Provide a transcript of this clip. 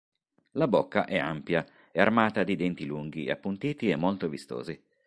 La bocca è ampia e armata di denti lunghi, appuntiti e molto vistosi.